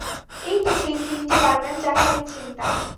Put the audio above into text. এইতো সেই সিন্ডি বারম্যান যাকে আমি চিনতাম।